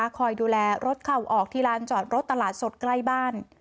คอยดูแลรถเข้าออกที่ลานจอดรถตลาดสดใกล้บ้าน